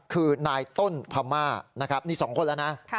คือนายต้นพม่านะครับนี่๒คนแล้วนะ